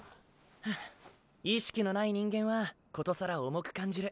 フゥ意識のない人間はことさら重く感じる。